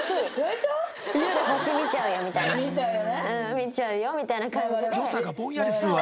見ちゃうよみたいな感じで。